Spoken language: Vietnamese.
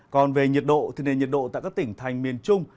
còn về nhiệt độ thì nền nhiệt độ tại các tỉnh thành miền trung